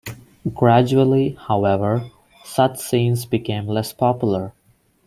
Gradually, however, such scenes became less popular.